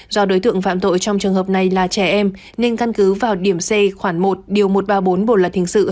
do đối tượng phạm tội trong trường hợp này là trẻ em nên căn cứ vào điểm c khoảng một điều một trăm ba mươi bốn bộ lật hình sự hai nghìn một mươi năm